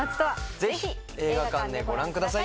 ぜひ映画館でご覧ください。